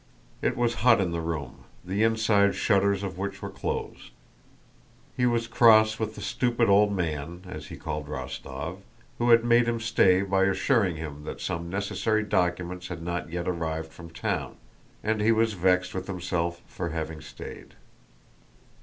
It was hot in the room, the inside shutters of which were closed. He was cross with the stupid old man (as he called Rostóv), who had made him stay by assuring him that some necessary documents had not yet arrived from town, and he was vexed with himself for having stayed.